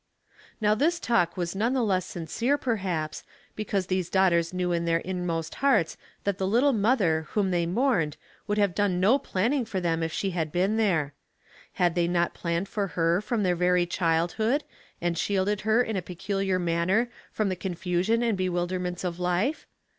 Now this talk was none the less sincere per haps, because these daughters knew in their inmost hearts that the little mother whom they Practical Arithmetic, 159 mourned would have done no planning for them if she had beeu there. Had they not planned for her from their very childhood, and shielded her in a peculiar manner from the confusion and be wilderments of life